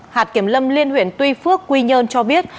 hạt kiểm lâm liên huyện tuy phước quy nhơn cho biết